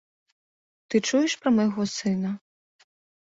Ты чуеш пра майго сына?